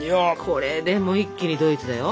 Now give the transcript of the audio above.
これでもう一気にドイツだよ。